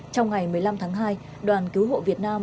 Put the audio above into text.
trong ngày một mươi năm tháng hai đoàn cứu hộ việt nam